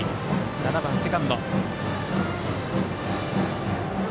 ７番、セカンド。